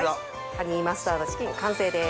ハニーマスタードチキン完成です。